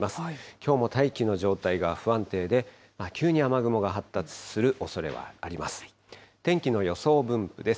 きょうも大気の状態が不安定で、急に雨雲が発達するおそれはあります。